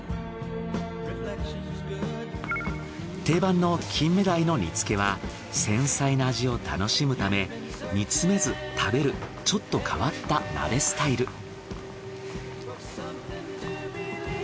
定番の金目鯛の煮付けは繊細な味を楽しむため煮詰めず食べるちょっと変わった鍋スタイル。